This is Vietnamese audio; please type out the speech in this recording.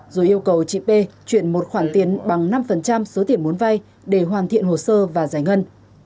rồi yêu cầu chị p chuyển một khoản tiền bằng năm số tiền muốn vay để hoàn thiện hồ sơ và giải ngân